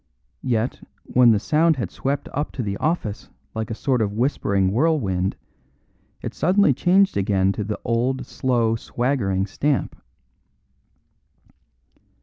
Yet, when the sound had swept up to the office like a sort of whispering whirlwind, it suddenly changed again to the old slow, swaggering stamp.